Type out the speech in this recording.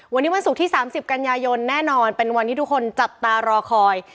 วันนี้วันศุกร์ที่๓๐กันยายนแน่นอนเป็นวันที่ทุกคนจับตารอคอย